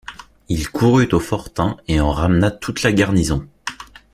Il courut au fortin et en ramena toute la garnison.